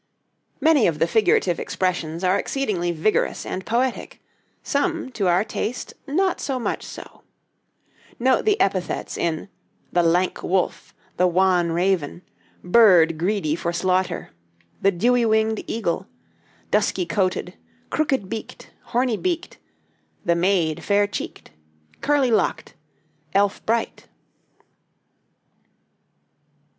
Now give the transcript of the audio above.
Many of the figurative expressions are exceedingly vigorous and poetic; some to our taste not so much so. Note the epithets in "the lank wolf," "the wan raven," "bird greedy for slaughter," "the dewy winged eagle," "dusky coated," "crooked beaked," "horny beaked," "the maid, fair cheeked," "curly locked," "elf bright."